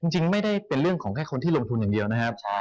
จริงไม่ได้เป็นเรื่องของแค่คนที่ลงทุนอย่างเดียวนะครับ